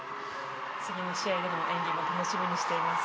次の試合での演技も楽しみにしています。